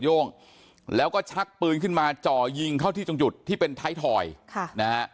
โย่งแล้วก็ชักปืนขึ้นมาจ่อยิงเข้าที่ตรงจุดที่เป็นไทยทอยค่ะนะฮะ